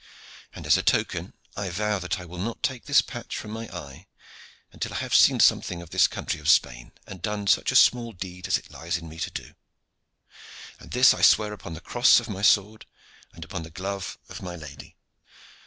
"And as a token I vow that I will not take this patch from my eye until I have seen something of this country of Spain, and done such a small deed as it lies in me to do. And this I swear upon the cross of my sword and upon the glove of my lady."